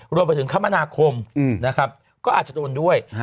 รวมไปถึงคมนาคมนะครับก็อาจจะโดนด้วย